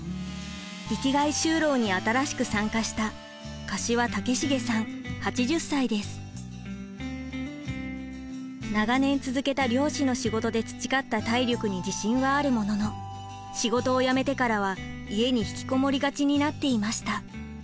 生きがい就労に新しく参加した長年続けた漁師の仕事で培った体力に自信はあるものの仕事を辞めてからは家に引きこもりがちになっていました。